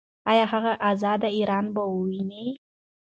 ایا هغه ازاد ایران به وویني؟